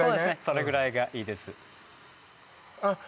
それぐらいがいいですあっ